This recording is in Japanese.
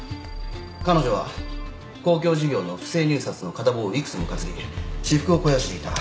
彼女は公共事業の不正入札の片棒を幾つも担ぎ私腹を肥やしていた。